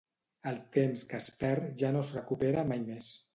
El temps que es perd ja no es recupera mai més